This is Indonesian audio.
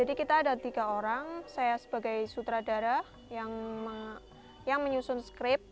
jadi kita ada tiga orang saya sebagai sutradara yang menyusun skrip